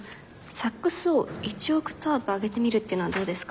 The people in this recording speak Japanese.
サックスを１オクターブ上げてみるっていうのはどうですか？